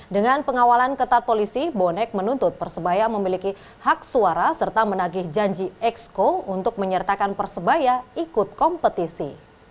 dengan pengawalan ketat polisi bonek menuntut persebaya memiliki hak suara serta menagih janji exco untuk menyertakan persebaya ikut kompetisi